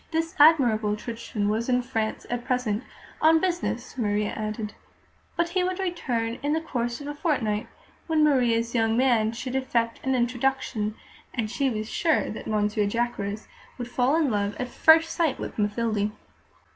This Admirable Crichton was in France at present, on business, Maria added, but he would return in the course of a fortnight, when Maria's "young man" should effect an introduction, as she was sure that Monsieur Jacques would fall in love at first sight with Mathilde.